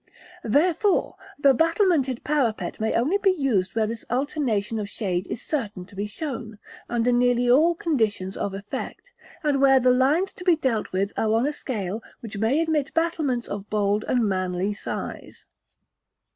Therefore, the battlemented parapet may only be used where this alternation of shade is certain to be shown, under nearly all conditions of effect; and where the lines to be dealt with are on a scale which may admit battlements of bold and manly size.